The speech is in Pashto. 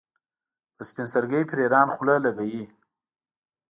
په سپین سترګۍ پر ایران خوله لګوي.